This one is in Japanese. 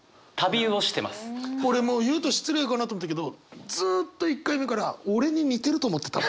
俺もう言うと失礼かなと思ったけどずっと１回目から俺に似てると思ってた。